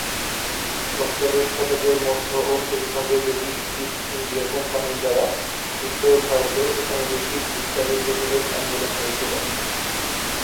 সপ্তদশ শতকের মধ্য ও শেষ ভাগে ব্রিটিশ ইস্ট ইন্ডিয়া কোম্পানির দ্বারা উত্তর ভারতে ঔপনিবেশিক বিস্তারের প্রতিরোধ আন্দোলন হয়েছিল।